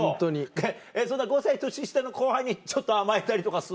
えっそんな５歳年下の後輩にちょっと甘えたりとかすんの？